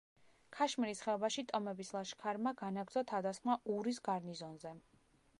ქაშმირის ხეობაში ტომების ლაშქარმა განაგრძო თავდასხმა ურის გარნიზონზე.